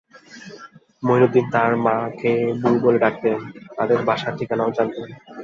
মুঈনুদ্দীন তাঁর মাকে বুবু বলে ডাকতেন, তাঁদের ঢাকার বাসার ঠিকানাও জানতেন।